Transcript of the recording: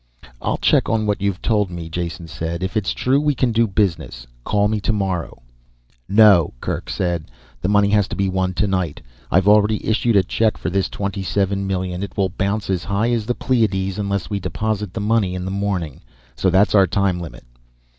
"I'll check on what you have told me," Jason said. "If it's true, we can do business. Call me tomorrow " "No," Kerk said. "The money has to be won tonight. I've already issued a check for this twenty seven million, it will bounce as high as the Pleiades unless we deposit the money in the morning, so that's our time limit."